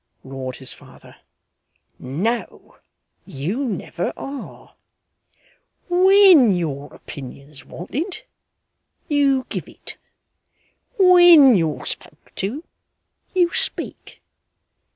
roared his father. 'No, you never are. When your opinion's wanted, you give it. When you're spoke to, you speak.